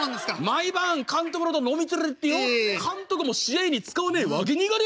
「毎晩監督のこと飲み連れてってよ監督も試合に使わねえわけねえからな。